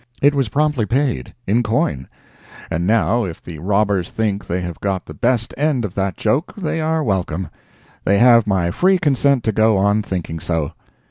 It was promptly paid, in coin, and now if the robbers think they have got the best end of that joke, they are welcome—they have my free consent to go on thinking so.